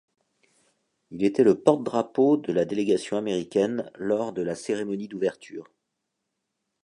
Il était le porte-drapeau de la délégation américaine lors de la cérémonie d'ouverture.